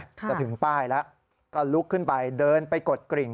จะถึงป้ายแล้วก็ลุกขึ้นไปเดินไปกดกริ่ง